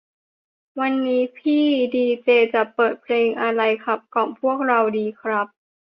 วันนี้พี่ดีเจจะเปิดเพลงอะไรขับกล่อมพวกเราดีครับ